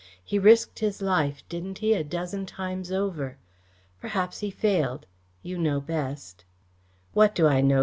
He risked his life, didn't he, a dozen times over? Perhaps he failed. You know best." "What do I know?"